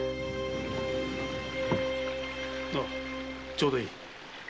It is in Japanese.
ちょうどいい。